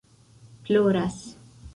ploras